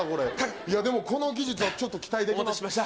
いや、でもこの技術はちょっと期待できますね。